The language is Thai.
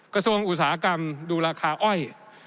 กระทรวงอุตสาหกรรมดูราคาอ้อย